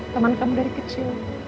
teman kamu dari kecil